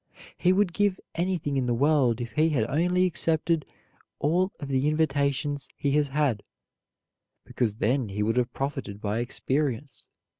He would give anything in the world if he had only accepted all of the invitations he has had, because then he would have profited by experience.